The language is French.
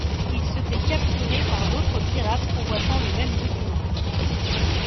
Il se fait capturer par d’autres pirates convoitant le même document.